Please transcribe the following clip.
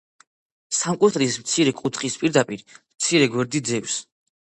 სამკუთხედის მცირე კუთხის პირდაპირ მცირე გვერდი ძევს.